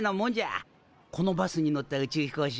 このバスに乗った宇宙飛行士